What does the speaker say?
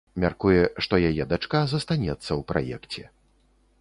Мяркуе, што яе дачка застанецца ў праекце.